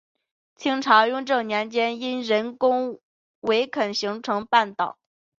清朝雍正年间因人工围垦形成半岛。